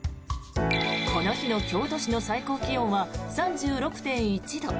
この日の京都市の最高気温は３６．１度。